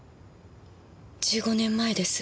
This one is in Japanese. １５年前です。